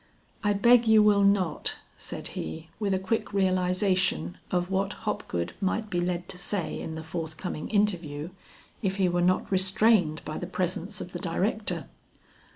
"I beg you will not," said he, with a quick realization of what Hopgood might be led to say in the forthcoming interview, if he were not restrained by the presence of the director.